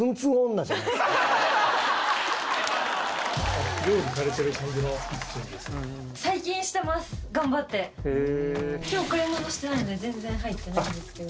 今日お買い物してないんで全然入ってないんですけど。